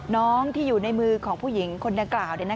น้องที่อยู่ในมือของผู้หญิงคนดังกล่าว